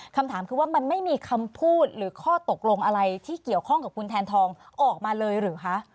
คำถามคือว่ามันไม่มีคำพูดหรือข้อตกลงอะไรที่เกี่ยวข้องกับคุณแทนทองออกมาเลยหรือคะ